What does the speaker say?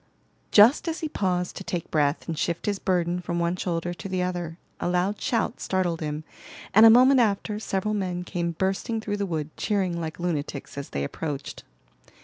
Just as he paused to take breath and shift his burden from one shoulder to the other, a loud shout startled him, and a moment after, several men came bursting through the wood, cheering like lunatics as they approached.